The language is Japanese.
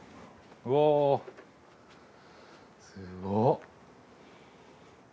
うわぁすごっ！